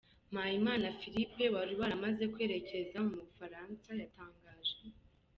Mpayimana Philippe wari waramaze kwerekeza mu Bufaransa, yatangaje.